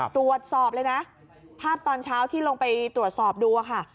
ตรวจสอบเลยนะภาพตอนเช้าที่ลงไปตรวจสอบดูค่ะ